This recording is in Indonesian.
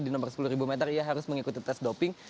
di nomor sepuluh meter ia harus mengikuti tes doping